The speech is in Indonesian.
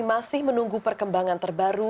masih menunggu perkembangan terbaru